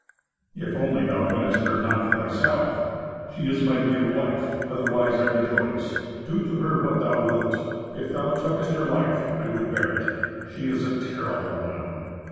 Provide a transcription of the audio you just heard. "If only thou winnest her not for thyself. She is my dear wife. Otherwise I rejoice. Do to her what thou wilt. If thou tookest her life, I would bear it. She is a terrible woman."